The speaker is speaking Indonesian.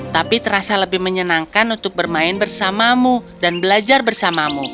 tapi terasa lebih menyenangkan untuk bermain bersamamu dan belajar bersamamu